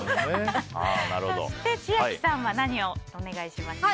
そして千秋さんは何をお願いしましたか？